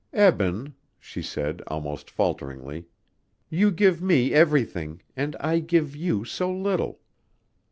"Eben," she said almost falteringly, "you give me everything and I give you so little."